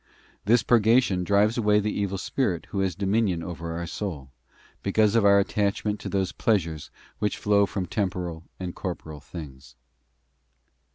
This purgation drives away the evil spirit who has dominion over our soul, because of our attachment to those pleasures which flow from temporal and corporeal things.